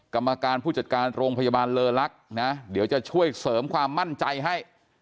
กรรมการผู้จัดการโรงพยาบาลเลอลักษณ์นะเดี๋ยวจะช่วยเสริมความมั่นใจให้